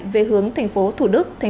về hướng tp thủ đức